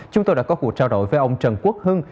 chúng tôi đã có cuộc trao đổi với ông trần quốc hưng